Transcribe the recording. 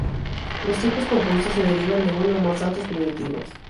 Los tipos compuestos se derivan de uno o más datos primitivos.